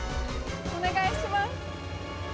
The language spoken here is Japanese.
お願いします。